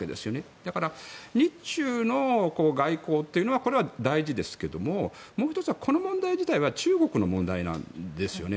だから、日中の外交というのはこれは大事ですけどももう１つは、この問題自体は中国の問題なんですよね。